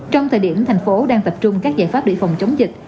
trong thời điểm thành phố đang tập trung các giải pháp để phòng chống dịch